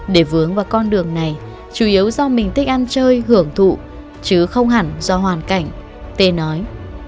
để vướng vào con đường này chủ yếu do mình thích ăn chơi hưởng thụ chứ không hẳn do hoàn cảnh tê nói